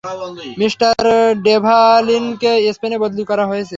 Mr ডেভলিনকে স্পেনে বদলি করা হয়েছে।